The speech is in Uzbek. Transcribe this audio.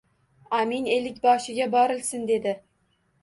Amin ellikboshiga borilsin, dedi